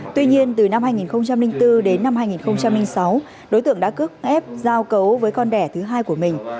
tuy nhiên từ năm hai nghìn bốn đến năm hai nghìn sáu đối tượng đã cướp ép giao cấu với con đẻ thứ hai của mình